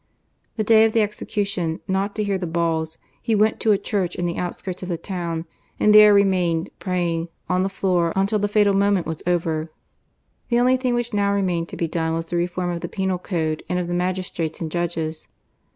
The day of the execution, not to hear the balls, he went to a churdt in the outskirts of the town, and there remained* praying, od the floor, until the ^tal moment was over. The only thing which now remained to be done was the reform of the penal code and of the magis trates and judges.